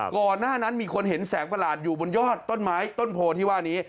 ก่อนหน้านั้นมีคนเห็นแสงประหลาดอยู่บนยอดต้นไม้ต้นโพที่ว่านี้